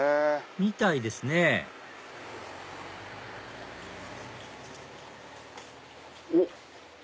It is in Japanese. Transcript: みたいですねおっ！